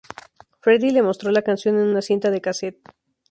Freddie le mostró la canción en una cinta de casete.